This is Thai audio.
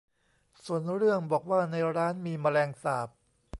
ส่วนเรื่องบอกว่าในร้านมีแมลงสาบ